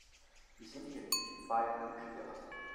Wir sind hier nicht bei Wünsch-dir-was.